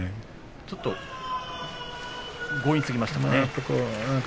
ちょっと強引すぎましたかね。